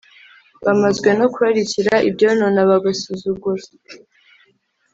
Bamazwe no kurarikira ibyonona bagasuzugura